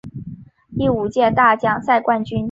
第五届大奖赛冠军。